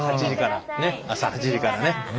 ねっ朝８時からね。